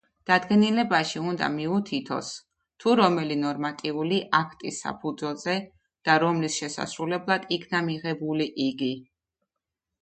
დადგენილებაში უნდა მიეთითოს, თუ რომელი ნორმატიული აქტის საფუძველზე და რომლის შესასრულებლად იქნა მიღებული იგი.